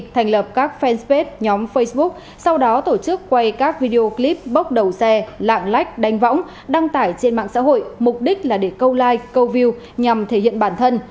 thành lập các fanpage nhóm facebook sau đó tổ chức quay các video clip bốc đầu xe lạng lách đánh võng đăng tải trên mạng xã hội mục đích là để câu like câu view nhằm thể hiện bản thân